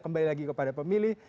kembali lagi kepada pemilih